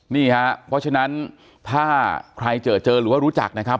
นี่ฮะเพราะฉะนั้นถ้าใครเจอเจอหรือว่ารู้จักนะครับ